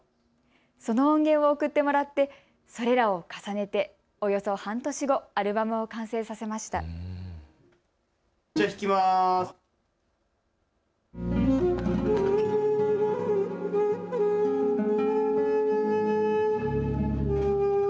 その音源を送ってもらってそれらを重ねて、およそ半年後、アルバムを完成させました。